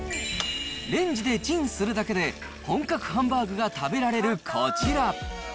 レンジでチンするだけで、本格ハンバーグが食べられるこちら。